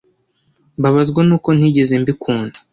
mbabazwa n’uko ntigeze mbikunda